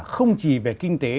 không chỉ về kinh tế